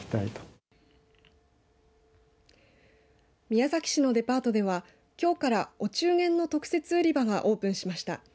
宮崎市のデパートではきょうからお中元の特設売り場がオープンしました。